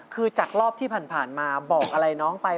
คือจากรอบที่ผ่านมาบอกอะไรน้องไป